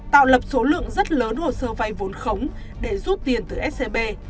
tạo lập số lượng rất lớn hồ sơ vay vốn khống để rút tiền từ scb